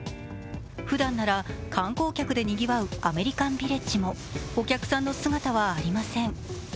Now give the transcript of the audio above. ふだんなら観光客でにぎわうアメリカンビレッジもお客さんの姿はありません。